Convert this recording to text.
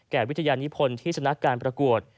วิทยานิพลที่ชนะการประกวด